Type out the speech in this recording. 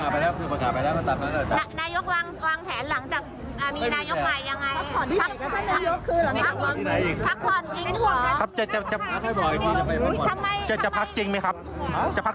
ไม่ได้อยู่เบื้องหลังต่อใช่ไหมครับ